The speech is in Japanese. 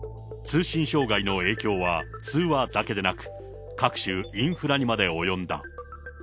通信障害の影響は通話だけでなく、各種インフラにまで及んだ。